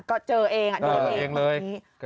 ก็เจอเองอ่ะดูเองแบบนี้ค่ะเออเองเลย